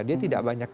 dia tidak banyak